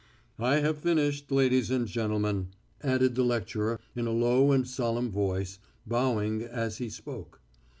"I have finished, ladies and gentlemen," added the lecturer in a low and solemn voice, bowing as he spoke.